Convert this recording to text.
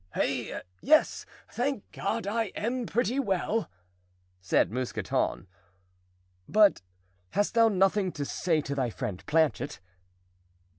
"Hey, yes, thank God, I am pretty well," said Mousqueton. "But hast thou nothing to say to thy friend Planchet?"